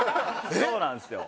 そうなんですよ。